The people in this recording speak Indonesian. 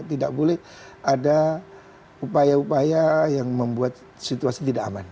tidak boleh ada upaya upaya yang membuat situasi tidak aman